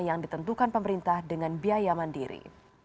yang ditentukan pemerintah dengan biaya mandiri